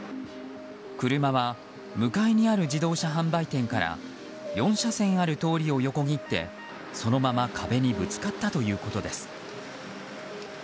車は向かいにある自動車販売店から４車線ある通りを横切ってそのまま壁にぶつかったということです。